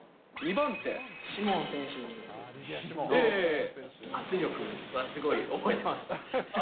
シモン選手の圧力はすごい覚えてます。